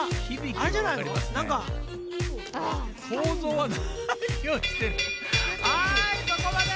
はいそこまで！